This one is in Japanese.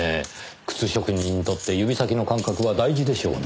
靴職人にとって指先の感覚は大事でしょうに。